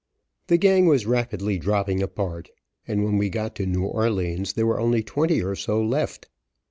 The gang was rapidly dropping apart, and when we got to New Orleans there were only twenty or so left.